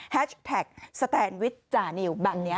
แฮชแท็กสแตนวิทจ่านิวแบบนี้ค่ะ